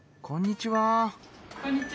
こんにちは。